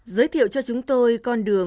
giới thiệu cho chúng tôi con đường